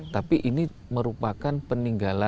tapi ini merupakan peninggalan